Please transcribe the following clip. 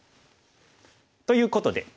ということで。